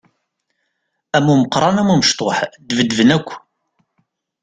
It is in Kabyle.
Am umeqqran am umecṭuḥ, ddbedben akk!